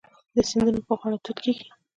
د سیندونو په غاړه توت کیږي.